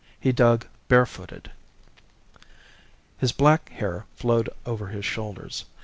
He dug barefooted. "His black hair flowed over his shoulders.